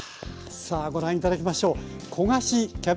さあご覧頂きましょう。